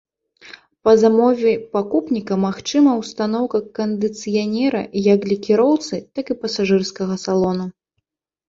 Па замове пакупніка магчыма ўстаноўка кандыцыянера, як для кіроўцы, так і пасажырскага салону.